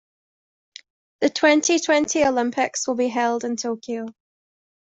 The twenty-twenty Olympics will be held in Tokyo.